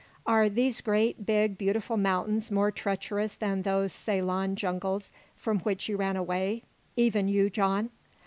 Are these great, big, beautiful mountains more treacherous than those Ceylon jungles from which you ran away even you, John?